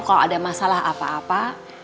kalau ada masalah apa apa